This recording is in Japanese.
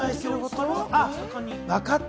わかった！